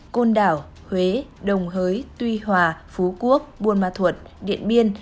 côn đảo huế đồng hới tuy hòa phú quốc buôn ma thuột điện biên